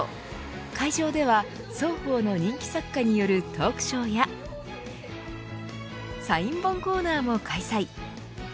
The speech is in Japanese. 会場では、双方の人気作家によるトークショーやサイン本コーナーも開催。